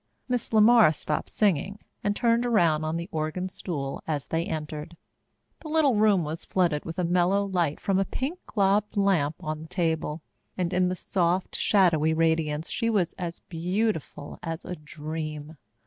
Miss LeMar stopped singing and turned around on the organ stool as they entered. The little room was flooded with a mellow light from the pink globed lamp on the table, and in the soft, shadowy radiance she was as beautiful as a dream.